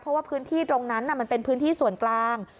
เพราะว่าพื้นที่ตรงนั้นมันเป็นพื้นที่ส่วนกลาง